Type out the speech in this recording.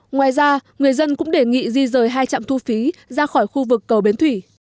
ngoài ra người dân cũng đề nghị di rời hai trạm thu phí ra khỏi khu vực cầu bến thủy